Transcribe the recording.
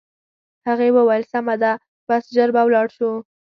هغې وویل: سمه ده، بس ژر به ولاړ شو.